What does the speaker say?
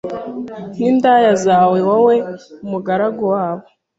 N indaya zawe wowe mugaragu wabo